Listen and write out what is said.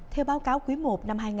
theo báo cáo quý i năm hai nghìn hai mươi